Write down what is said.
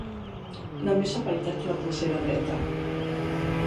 Només s'ha afaitat la polsera dreta.